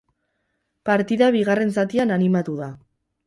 Partida bigarren zatian animatu da.